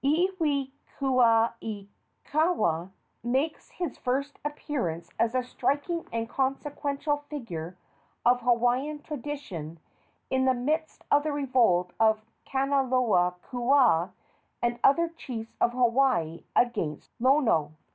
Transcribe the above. Iwikauikaua makes his first appearance as a striking and consequential figure of Hawaiian tradition in the midst of the revolt of Kanaloa kuaana and other chiefs of Hawaii against Lono.